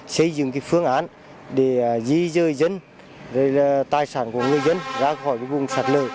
xây dựng phương ảnh để di dơi dân tài sản của người dân ra khỏi vùng sạt lở